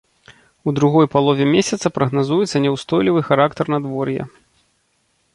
У другой палове месяца прагназуецца няўстойлівы характар надвор'я.